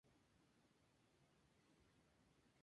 La sede de la compañía está localizando en Shibuya.